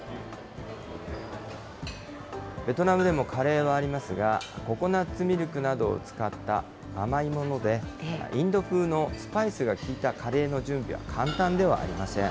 ベトナムでもカレーはありますが、ココナッツミルクなどを使った甘いもので、インド風のスパイスが効いたカレーの準備は簡単ではありません。